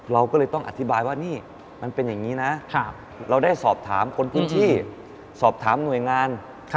เราก็เลยต้องอธิบายว่านี่มันเป็นอย่างนี้นะเราได้สอบถามคนพื้นที่สอบถามหน่วยงาน